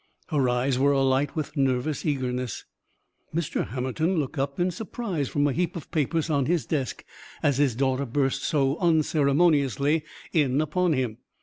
Her eyes were alight with nervous eagerness. Mr. Hammerton looked up in surprise from a heap of papers on his desk, as his daughter burst so unceremoniously in upon him.